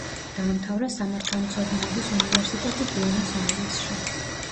დაამთავრა სამართალმცოდნეობის უნივერსიტეტი ბუენოს-აირესში.